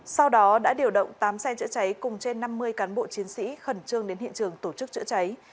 sau đó đã điều động tám xe chữa cháy cùng trên năm mươi cán bộ chiến sĩ khẩn trương đến hiện trường tổ chức chữa cháy